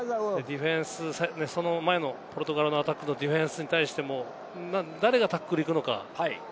その前のポルトガルのアタックのディフェンスに対しても誰がタックルに行くのか。